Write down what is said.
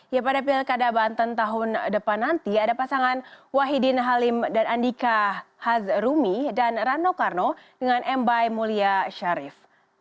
ya pada pilkada banten tahun depan nanti ada pasangan wahidin halim dan andika hazrumi dan rano karno dengan embai mulia sharif